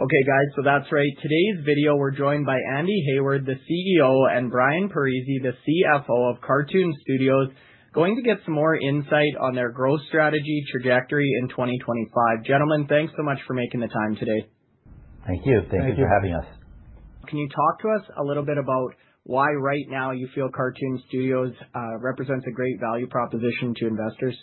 Okay, guys, that's right. Today's video, we're joined by Andy Heyward, the CEO, and Brian Parisi, the CFO of Kartoon Studios, going to get some more insight on their growth strategy trajectory in 2025. Gentlemen, thanks so much for making the time today. Thank you. Thank you for having us. Can you talk to us a little bit about why right now you feel Kartoon Studios represents a great value proposition to investors?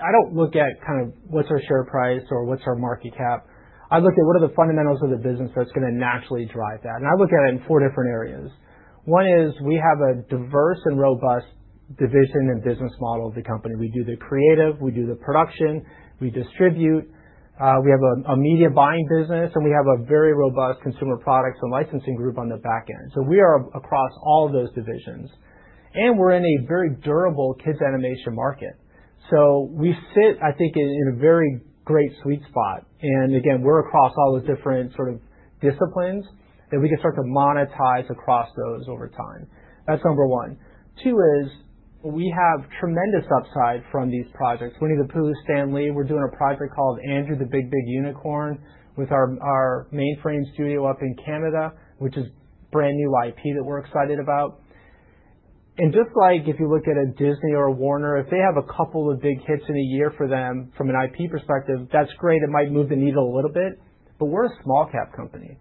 I don't look at kind of what's our share price or what's our market cap. I look at what are the fundamentals of the business that's going to naturally drive that. I look at it in four different areas. One is we have a diverse and robust division and business model of the company. We do the creative, we do the production, we distribute. We have a media buying business, and we have a very robust consumer products and licensing group on the back end. We are across all of those divisions. We are in a very durable kids' animation market. We sit, I think, in a very great sweet spot. Again, we're across all those different sort of disciplines that we can start to monetize across those over time. That's number one. Two is we have tremendous upside from these projects. Winnie the Pooh, Stan Lee, we're doing a project called Andrew the Big Big Unicorn with our Mainframe Studios up in Canada, which is brand new IP that we're excited about. Just like if you look at a Disney or a Warner, if they have a couple of big hits in a year for them from an IP perspective, that's great. It might move the needle a little bit. We're a small-cap company.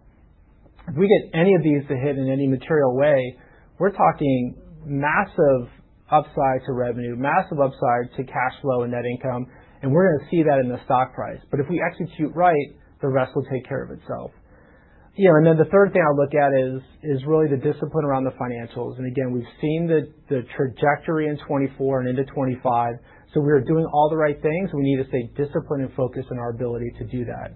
If we get any of these to hit in any material way, we're talking massive upside to revenue, massive upside to cash flow and net income. We're going to see that in the stock price. If we execute right, the rest will take care of itself. You know, and then the third thing I look at is really the discipline around the financials. We have seen the trajectory in 2024 and into 2025. We are doing all the right things. We need to stay disciplined and focused in our ability to do that.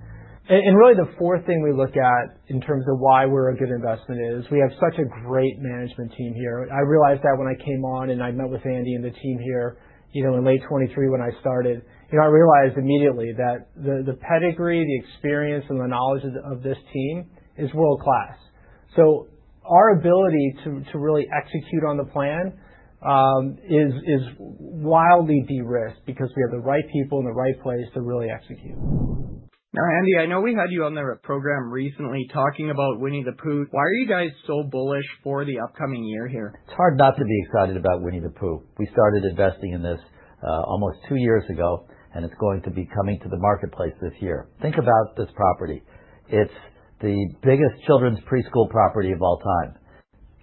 Really the fourth thing we look at in terms of why we are a good investment is we have such a great management team here. I realized that when I came on and I met with Andy and the team here, you know, in late 2023 when I started, you know, I realized immediately that the pedigree, the experience, and the knowledge of this team is world-class. Our ability to really execute on the plan is wildly de-risked because we have the right people in the right place to really execute. Now, Andy, I know we had you on the program recently talking about Winnie the Pooh. Why are you guys so bullish for the upcoming year here? It's hard not to be excited about Winnie the Pooh. We started investing in this almost two years ago, and it's going to be coming to the marketplace this year. Think about this property. It's the biggest children's preschool property of all time.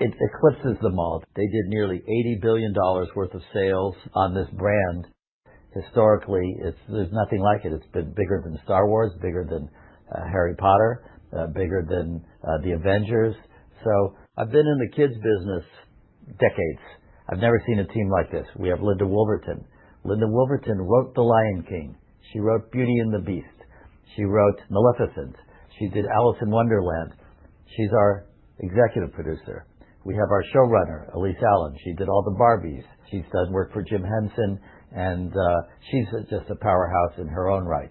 It eclipses them all. They did nearly $80 billion worth of sales on this brand. Historically, there's nothing like it. It's been bigger than Star Wars, bigger than Harry Potter, bigger than the Avengers. I've been in the kids' business decades. I've never seen a team like this. We have Linda Woolverton. Linda Woolverton wrote The Lion King. She wrote Beauty and the Beast. She wrote Maleficent. She did Alice in Wonderland. She's our Executive Producer. We have our showrunner, Elise Allen. She did all the Barbies. She's done work for Jim Henson, and she's just a powerhouse in her own right.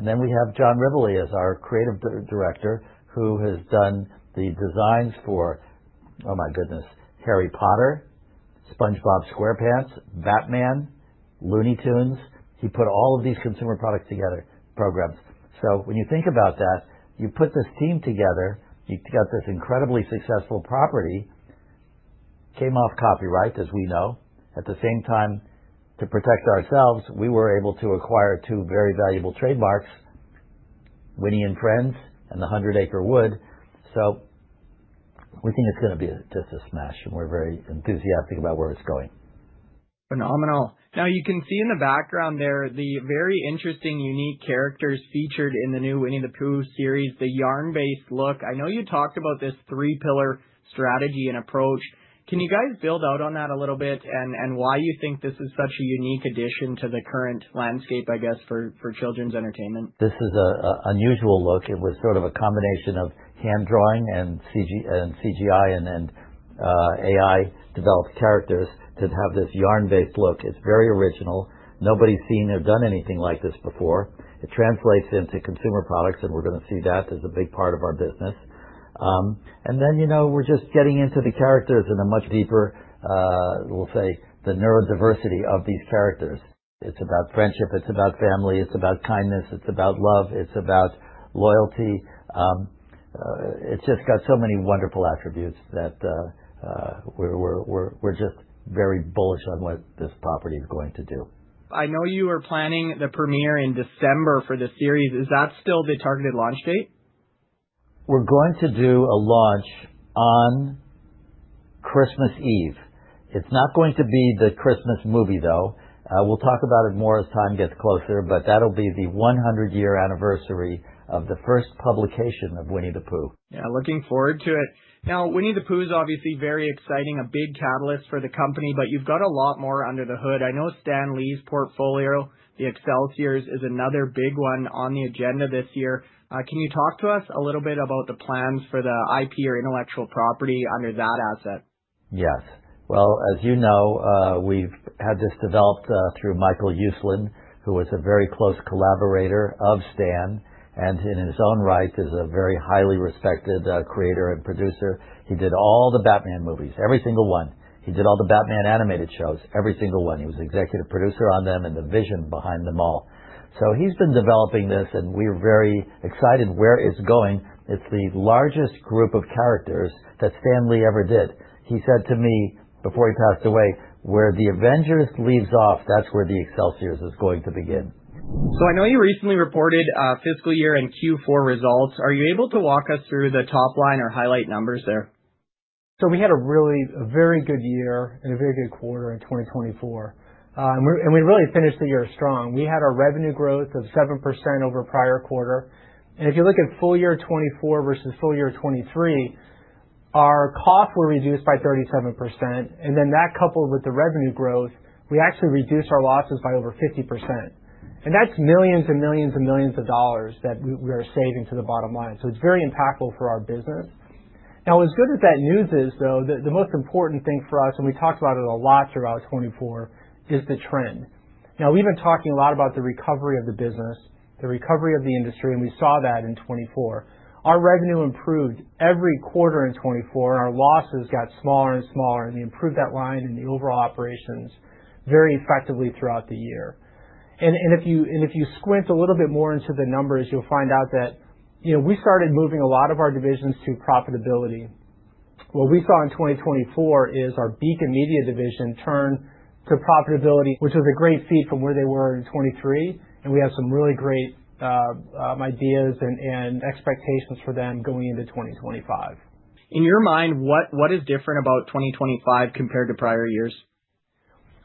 We have John Rivoli as our creative director, who has done the designs for, oh my goodness, Harry Potter, SpongeBob SquarePants, Batman, Looney Tunes. He put all of these consumer products together, programs. When you think about that, you put this team together, you got this incredibly successful property, came off copyright, as we know. At the same time, to protect ourselves, we were able to acquire two very valuable trademarks, Winnie and Friends and the 100 Acre Wood. We think it's going to be just a smash, and we're very enthusiastic about where it's going. Phenomenal. Now, you can see in the background there the very interesting, unique characters featured in the new Winnie the Pooh series, the yarn-based look. I know you talked about this three-pillar strategy and approach. Can you guys build out on that a little bit and why you think this is such a unique addition to the current landscape, I guess, for children's entertainment? This is an unusual look. It was sort of a combination of hand drawing and CGI and AI-developed characters to have this yarn-based look. It's very original. Nobody's seen or done anything like this before. It translates into consumer products, and we're going to see that as a big part of our business. You know, we're just getting into the characters in a much deeper, we'll say, the neurodiversity of these characters. It's about friendship. It's about family. It's about kindness. It's about love. It's about loyalty. It's just got so many wonderful attributes that we're just very bullish on what this property is going to do. I know you were planning the premiere in December for the series. Is that still the targeted launch date? We're going to do a launch on Christmas Eve. It's not going to be the Christmas movie, though. We'll talk about it more as time gets closer, but that'll be the 100-year anniversary of the first publication of Winnie the Pooh. Yeah, looking forward to it. Now, Winnie the Pooh is obviously very exciting, a big catalyst for the company, but you've got a lot more under the hood. I know Stan Lee's portfolio, the Excelsiors, is another big one on the agenda this year. Can you talk to us a little bit about the plans for the IP or intellectual property under that asset? Yes. As you know, we've had this developed through Michael Uslan, who was a very close collaborator of Stan, and in his own right is a very highly respected creator and producer. He did all the Batman movies, every single one. He did all the Batman animated shows, every single one. He was executive producer on them and the vision behind them all. He has been developing this, and we're very excited where it's going. It's the largest group of characters that Stan Lee ever did. He said to me before he passed away, where the Avengers leaves off, that's where the Excelsiors is going to begin. I know you recently reported fiscal year and Q4 results. Are you able to walk us through the top line or highlight numbers there? We had a really very good year and a very good quarter in 2024. We really finished the year strong. We had our revenue growth of 7% over prior quarter. If you look at full year 2024 versus full year 2023, our costs were reduced by 37%. That coupled with the revenue growth, we actually reduced our losses by over 50%. That is millions and millions and millions of dollars that we are saving to the bottom line. It is very impactful for our business. As good as that news is, though, the most important thing for us, and we talked about it a lot throughout 2024, is the trend. We have been talking a lot about the recovery of the business, the recovery of the industry, and we saw that in 2024. Our revenue improved every quarter in 2024, and our losses got smaller and smaller, and we improved that line and the overall operations very effectively throughout the year. If you squint a little bit more into the numbers, you'll find out that, you know, we started moving a lot of our divisions to profitability. What we saw in 2024 is our Beacon Media division turned to profitability, which was a great feat from where they were in 2023. We have some really great ideas and expectations for them going into 2025. In your mind, what is different about 2025 compared to prior years?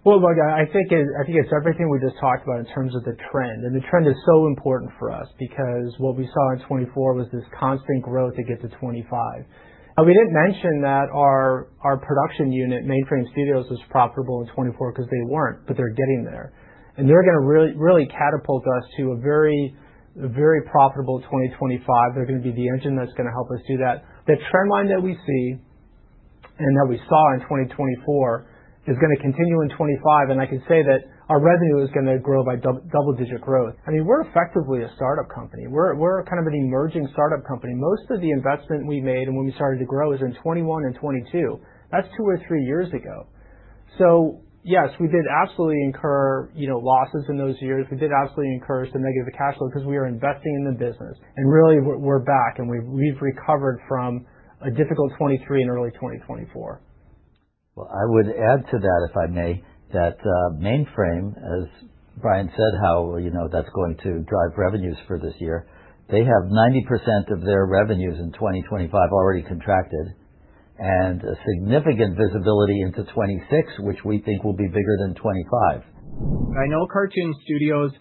I think it's everything we just talked about in terms of the trend. The trend is so important for us because what we saw in 2024 was this constant growth to get to 2025. We didn't mention that our production unit, Mainframe Studios, was profitable in 2024 because they weren't, but they're getting there. They're going to really catapult us to a very, very profitable 2025. They're going to be the engine that's going to help us do that. The trend line that we see and that we saw in 2024 is going to continue in 2025. I can say that our revenue is going to grow by double-digit growth. I mean, we're effectively a startup company. We're kind of an emerging startup company. Most of the investment we made and when we started to grow is in 2021 and 2022. is two or three years ago. Yes, we did absolutely incur losses in those years. We did absolutely incur some negative cash flow because we were investing in the business. Really, we are back, and we have recovered from a difficult 2023 and early 2024. I would add to that, if I may, that Mainframe, as Brian said, how, you know, that's going to drive revenues for this year. They have 90% of their revenues in 2025 already contracted and a significant visibility into 2026, which we think will be bigger than 2025. I know Kartoon Studios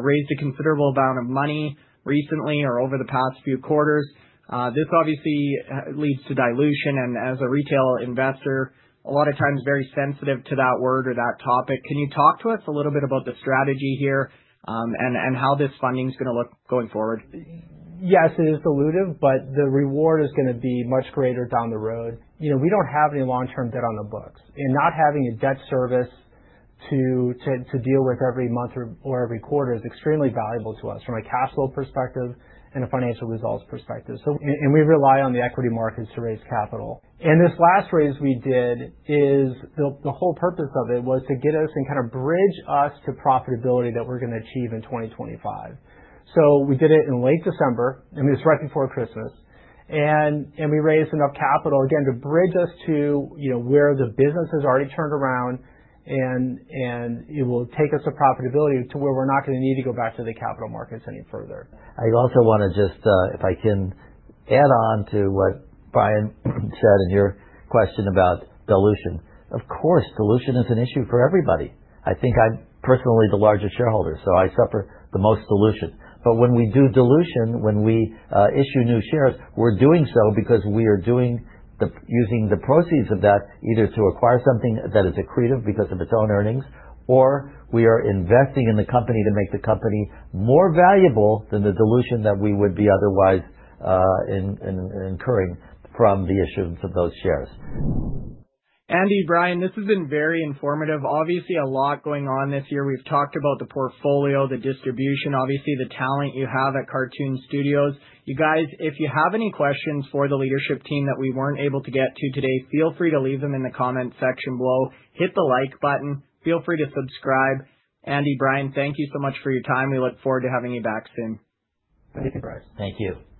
raised a considerable amount of money recently or over the past few quarters. This obviously leads to dilution. As a retail investor, a lot of times very sensitive to that word or that topic. Can you talk to us a little bit about the strategy here and how this funding is going to look going forward? Yes, it is dilutive, but the reward is going to be much greater down the road. You know, we do not have any long-term debt on the books. Not having a debt service to deal with every month or every quarter is extremely valuable to us from a cash flow perspective and a financial results perspective. We rely on the equity markets to raise capital. This last raise we did, the whole purpose of it was to get us and kind of bridge us to profitability that we are going to achieve in 2025. We did it in late December, and it was right before Christmas. We raised enough capital, again, to bridge us to, you know, where the business has already turned around, and it will take us to profitability to where we're not going to need to go back to the capital markets any further. I also want to just, if I can, add on to what Brian said in your question about dilution. Of course, dilution is an issue for everybody. I think I'm personally the largest shareholder, so I suffer the most dilution. When we do dilution, when we issue new shares, we're doing so because we are using the proceeds of that either to acquire something that is accretive because of its own earnings, or we are investing in the company to make the company more valuable than the dilution that we would be otherwise incurring from the issuance of those shares. Andy, Brian, this has been very informative. Obviously, a lot going on this year. We've talked about the portfolio, the distribution, obviously the talent you have at Kartoon Studios. You guys, if you have any questions for the leadership team that we weren't able to get to today, feel free to leave them in the comment section below. Hit the like button. Feel free to subscribe. Andy, Brian, thank you so much for your time. We look forward to having you back soon. Thank you, Brad]. Thank you.